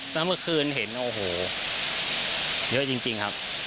แล้วเมื่อคืนเห็นโอ้โหเยอะจริงครับ